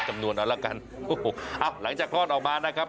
จ้ะอ๋อโอ้โฮหลังจากข้อนออกมานะครับ